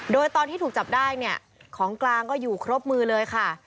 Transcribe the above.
โดยตอนที่ถูกจับได้เนี่ยของกลางก็อยู่ครบมือเลยค่ะ